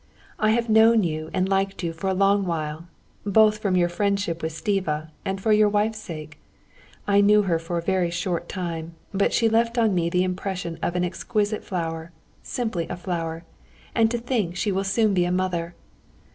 "I have known you and liked you for a long while, both from your friendship with Stiva and for your wife's sake.... I knew her for a very short time, but she left on me the impression of an exquisite flower, simply a flower. And to think she will soon be a mother!"